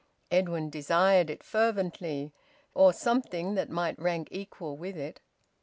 Edwin desired it fervently, or something that might rank equal with it.